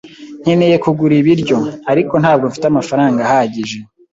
Nkeneye kugura ibiryo, ariko ntabwo mfite amafaranga ahagije.